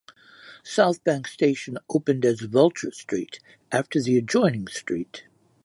South Bank station opened as Vulture Street, after the adjoining street.